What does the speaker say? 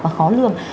và khó lường